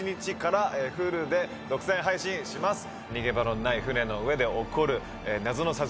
逃げ場のない船の上で起こる謎の殺人事件。